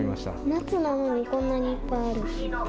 夏なのにこんなにいっぱいある。